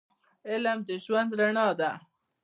علم د ژوند رڼا ده